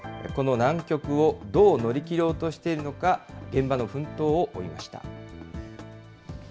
この難局をどう乗り切ろうとしているのか、現場の奮闘を追いました。